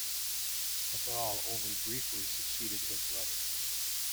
Cathal only briefly succeeded his brother.